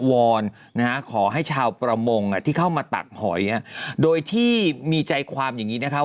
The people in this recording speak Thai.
อนนะฮะขอให้ชาวประมงอ่ะที่เข้ามาตักหอยโดยที่มีใจความอย่างนี้นะคะ